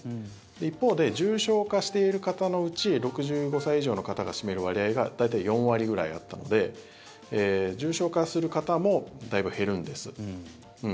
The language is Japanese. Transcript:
一方で、重症化している方のうち６５歳以上の方が占める割合が大体４割ぐらいあったので重症化する方もだいぶ減るんです。